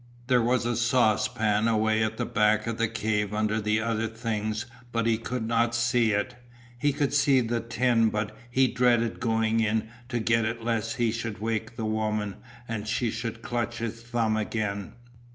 There was a saucepan away at the back of the cave under the other things but he could not see it. He could see the tin but he dreaded going in to get it lest he should wake the woman and she should clutch his thumb again.